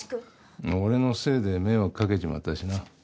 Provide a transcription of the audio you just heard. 俺のせいで迷惑かけちまったしな。